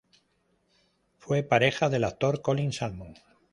Fue pareja del actor Colin Salmon.